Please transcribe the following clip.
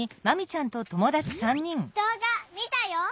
「どうがみたよ！」。